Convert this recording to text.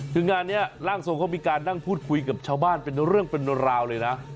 คืองานนี้ร่างทรงเขามีการนั่งพูดคุยกับชาวบ้านเป็นเรื่องเป็นราวเลยนะ